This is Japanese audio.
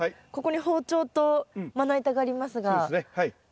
ここに包丁とまな板がありますが。